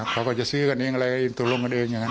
เขาก็จะซื้อกันเองตรงกันเอง